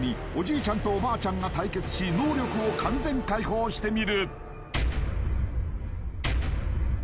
ちゃんとおばあちゃんが対決し能力を完全解放してみる